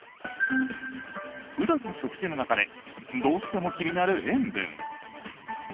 普段の食事の中でどうしても気になる塩分。